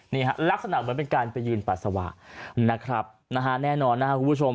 นี่ฮะลักษณะเหมือนเป็นการไปยืนปัสสาวะนะครับนะฮะแน่นอนนะครับคุณผู้ชม